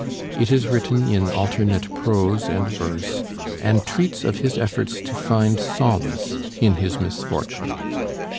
It is written in alternate prose and verse, and treats of his efforts to find solace in his misfortune.